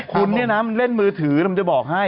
คุณเนี่ยนะมันเล่นมือถือมันจะบอกให้